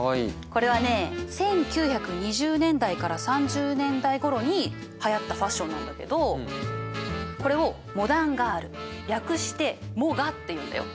これはね１９２０年代から３０年代ごろにはやったファッションなんだけどこれをモダンガール略してモガっていうんだよ。